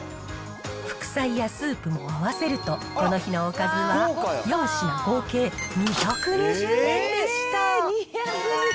副菜やスープも合わせると、この日のおかずは、４品合計２２０円でした。